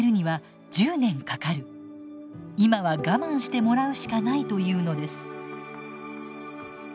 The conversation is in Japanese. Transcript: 今は我慢してもらうしかない」と言うのです。